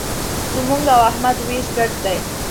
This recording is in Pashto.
زموږ او احمد وېش ګډ دی.